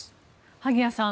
萩谷さん